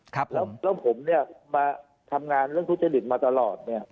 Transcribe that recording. แล้วผมมาทำงานกุฏจฤทธิ์มาตลอด